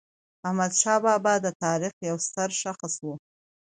احمدشاه بابا د تاریخ یو ستر شخص و.